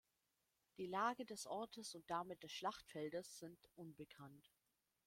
Die Lage des Ortes und damit des Schlachtfeldes sind unbekannt.